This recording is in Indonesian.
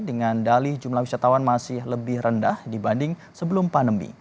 dengan dali jumlah wisatawan masih lebih rendah dibanding sebelum pandemi